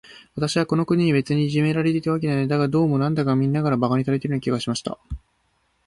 私はこの国で、別にいじめられたわけではないのです。だが、どうも、なんだか、みんなから馬鹿にされているような気がしました。